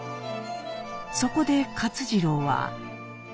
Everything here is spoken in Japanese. そこで勝次郎は？